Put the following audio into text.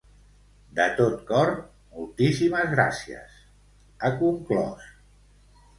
De tot cor, moltíssimes gràcies, ha conclòs.